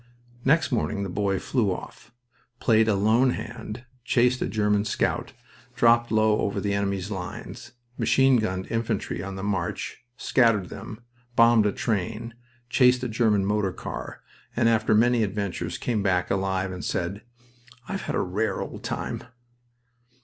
Next morning the boy flew off, played a lone hand, chased a German scout, dropped low over the enemy's lines, machine gunned infantry on the march, scattered them, bombed a train, chased a German motor car, and after many adventures came back alive and said, "I've had a rare old time!"